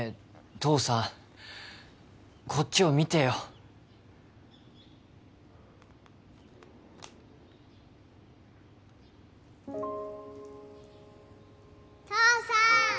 父さんこっちを見てよ父さん